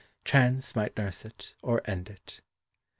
Chance might nurse it, or end it.